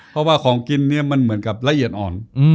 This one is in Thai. เพราะว่าของกินเนี่ยมันเหมือนกับละเอียดอ่อน